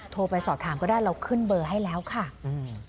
โทรไปสอบถามก็ได้เราขึ้นเบอร์ให้แล้วค่ะอืม